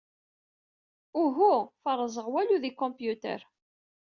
Uhu ferrzeɣ walu id computer.